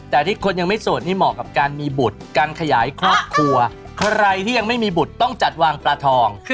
แต่ที่คนยังไม่โสดนี่เหมาะกับการมีบุตรการขยายครอบครัวใครที่ยังไม่มีบุตรต้องจัดวางปลาทอง